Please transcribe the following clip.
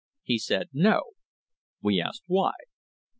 He said, 'No/ We asked why.